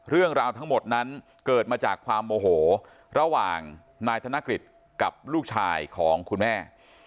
เรื่องราวทั้งหมดนั้นเกิดมาจากความโมโหระหว่างนายธนกฤษกับลูกชายของคุณแม่